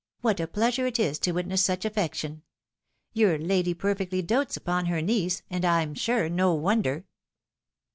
What a pleasure it is to witness such affection ! Your lady perfectly dotes upon her niece, and, I'm sure, no wonder